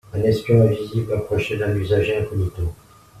Un espion invisible approchait d'un usager incognito.